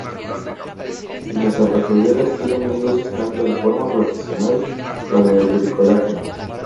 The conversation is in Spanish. Las abrazaderas tienen mil usos tanto de forma profesional como en el bricolaje.